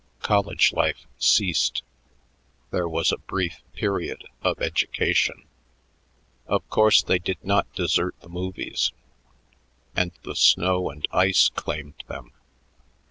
"College life" ceased; there was a brief period of education. Of course, they did not desert the movies, and the snow and ice claimed them.